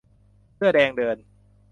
เสื้อแดงเดิน